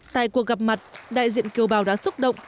tại cuộc gặp mặt đại diện kiều bào đã xúc động